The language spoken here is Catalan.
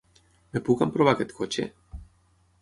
Em puc emprovar aquest cotxe?